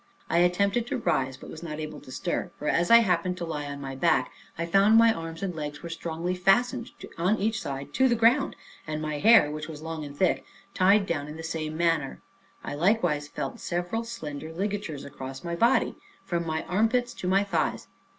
I attempted to rise but was not able to stir; for as I happened to lie on my back, I found my arms and legs were strongly fastened on each side to the ground; and my hair, which was long and thick, tied down in the same manner. I likewise felt several slender ligatures across my body, from my arm pits to my thighs.